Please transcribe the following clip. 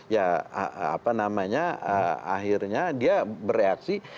ya apa namanya akhirnya dia bereaksi